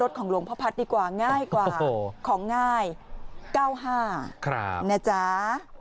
ที่นี้ก็ยากนะก็ไม่ค่อยก็ตัวเนี่ย